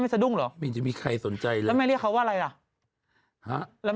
ไม่รู้มันก็ไม่เลือกอะไรเลย